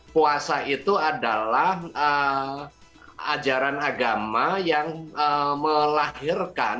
puasa itu adalah ajaran agama yang melahirkan